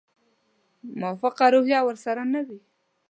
موافقه روحیه ورسره نه وي.